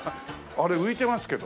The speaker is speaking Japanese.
あれ浮いてますけど。